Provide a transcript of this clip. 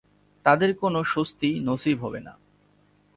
তাদের কোন স্বস্তি নসীব হবে না।